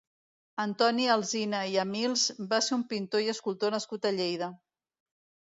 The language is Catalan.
Antoni Alsina i Amils va ser un pintor i escultor nascut a Lleida.